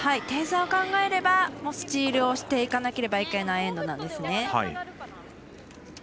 点差を考えればスチールをしていかなければいけないエンドなんですね。